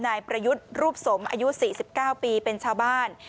นายประยุทธ์รูปสมอายุ๔๙ปีเป็นชาวบ้าน